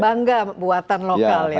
bangga buatan lokal ya